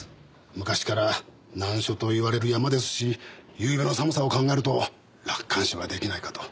昔から難所と言われる山ですしゆうべの寒さを考えると楽観視は出来ないかと。